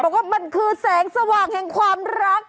บอกว่ามันคือแสงสว่างแห่งความรัก